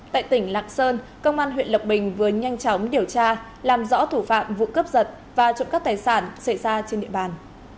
tại tỉnh lạng sơn công an huyện lộc bình vừa nhanh chóng điều tra làm rõ thủ phạm vụ cướp giật và trộm cắp tài sản xảy ra trên địa bàn